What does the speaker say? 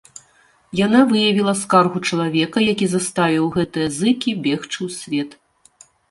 Яна выявіла скаргу чалавека, які заставіў гэтыя зыкі бегчы ў свет.